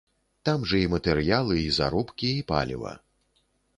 Там жа і матэрыялы, і заробкі, і паліва.